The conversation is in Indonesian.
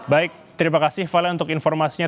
baik terima kasih valen untuk informasinya